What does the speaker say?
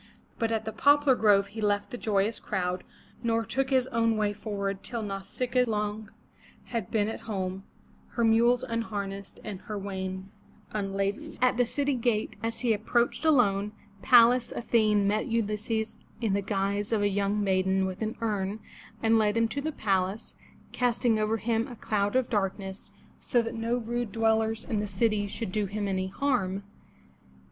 But at the poplar grove he left the joyous crowd, nor took his own way forward till Nau sic'a a long had been at home, her mules unharnessed and her wain unladen. 429 MY BOOK HOUSE At the city gate, as he approached alone, Pallas Athene met Ulysses in the guise of a young maiden with an urn, and led him to the palace, casting over him a cloud of darkness, so that no rude dwellers in the city should do him any harm.